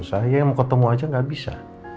saya yang mau ketemu aja nggak bisa